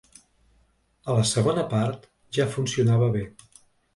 A la segona part, ja funcionava bé.